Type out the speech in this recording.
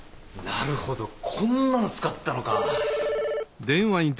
なるほどこんなの使ったのか。